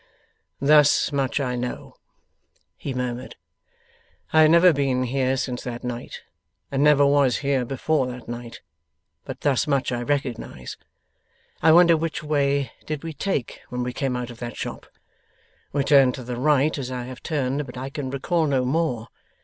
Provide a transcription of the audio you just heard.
'Thus much I know,' he murmured. 'I have never been here since that night, and never was here before that night, but thus much I recognize. I wonder which way did we take when we came out of that shop. We turned to the right as I have turned, but I can recall no more.